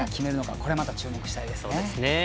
これはまた注目したいですね。